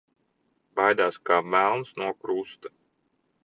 Baidās kā velns no krusta.